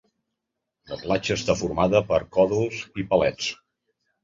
La platja està formada per còdols i palets.